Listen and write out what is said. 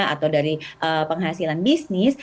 atau dari penghasilan bisnis